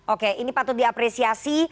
oke ini patut diapresiasi